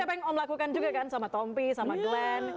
sama seperti apa yang om lakukan juga kan sama tompy sama glenn